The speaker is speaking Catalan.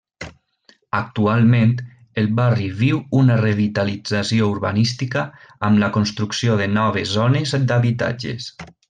Actualment, el barri viu una revitalització urbanística amb la construcció de noves zones d'habitatges.